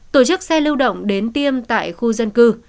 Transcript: tổ chức xe lưu động đến tiêm tại khu dân cư